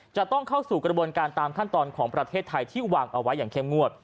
จะต้องเข้าสู่กระบวนการตามขั้นตอนของประเทศไทยที่วางเอาไว้อย่างเข้มงวด